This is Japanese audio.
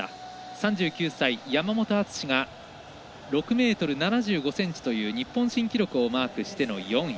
３９歳、山本篤が６ｍ７５ｃｍという日本新記録をマークしての４位。